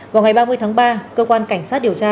vào ngày ba mươi tháng ba cơ quan cảnh sát điều tra